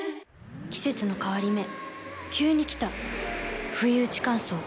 季節の変わり目急に来たふいうち乾燥。